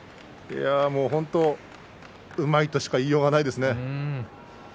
本当にうまいとしか言いようがないですね。